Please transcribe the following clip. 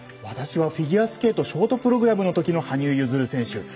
私はフィギュアスケートショートプログラムのときの羽生結弦選手。